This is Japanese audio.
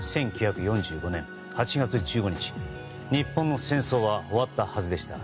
１９４５年８月１５日日本の戦争は終わったはずでした。